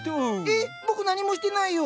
えっ僕何もしてないよ！